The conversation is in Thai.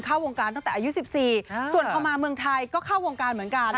เข้าวงการตั้งแต่อายุ๑๔ส่วนพอมาเมืองไทยก็เข้าวงการเหมือนกัน